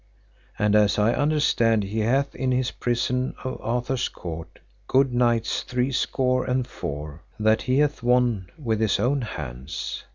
And, as I understand, he hath in his prison, of Arthur's court, good knights three score and four, that he hath won with his own hands.